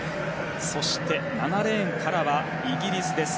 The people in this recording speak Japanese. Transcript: そして、７レーンからはイギリスです。